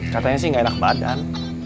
katanya sih nggak enak badan